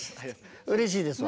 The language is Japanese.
うれしいですわ。